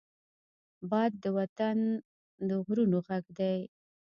باد د وطن د غرونو غږ دی